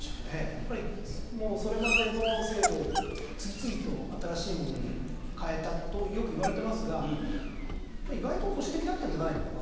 やっぱりもうそれまでの制度を次々と新しいものに変えたとよくいわれてますが意外と保守的だったんじゃないのかなと。